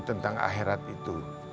tentang akhirat itu